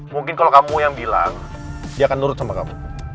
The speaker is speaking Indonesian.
mungkin kalau kamu yang bilang dia akan nurut sama kamu